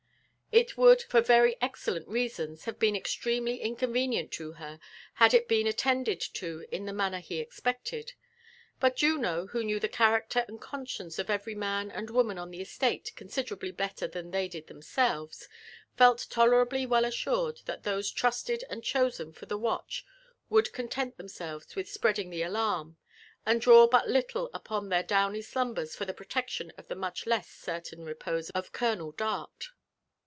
It would, for very excellent reasons, have been extremely inconvenient to her, had it been attended to in the manner be expected : but Juno, who knew the character and conscience of •very man and woman on the estate considerably better than they did themselves, felt tolerably well assured that those trusted and obosen for the watch would content themselves with spreading the alarm, and draw but little upon their downy slumbers for the protection of the miieh less certain repose of Colonel Dart.